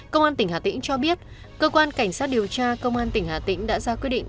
công an tỉnh hà tĩnh cho biết cơ quan cảnh sát điều tra công an tỉnh hà tĩnh đã ra quyết định